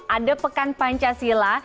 ada pekan pancasila